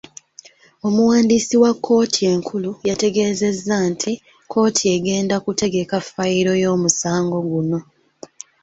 Omuwandiisi wa kkooti enkulu yategeezezza nti kkooti egenda kutegeka fayiro y'omusango guno .